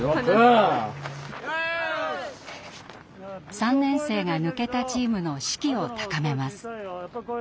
３年生が抜けたチームの士気を高めます。